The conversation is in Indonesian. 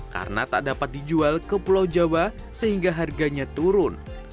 karena tak dapat dijual ke pulau jawa sehingga harganya turun